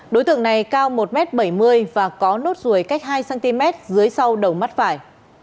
đối tượng này cao một m bảy mươi và có nốt ruồi cách hai cm dưới sau đầu mắt phải